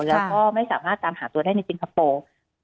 แล้วก็ไม่สามารถตามหาตัวได้ในสิงคโปร์